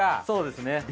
そうですね。